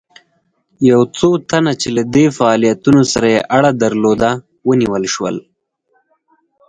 یو څو تنه چې له دې فعالیتونو سره یې اړه درلوده ونیول شول.